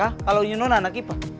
atau tiada apa